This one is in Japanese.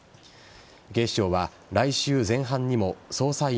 警視庁は来週前半にも捜査員